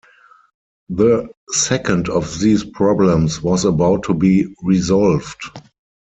The second of these problems was about to be resolved.